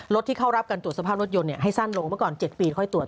ที่เข้ารับการตรวจสภาพรถยนต์ให้สั้นลงเมื่อก่อน๗ปีค่อยตรวจ